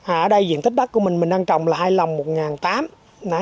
ở đây diện tích bắc của mình đang trồng là hai lòng một ngàn tám